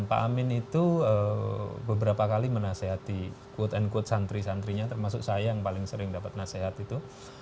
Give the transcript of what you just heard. pak amin itu beberapa kali menasehati quote unquote santri santrinya termasuk saya yang paling sering dapat nasihat itu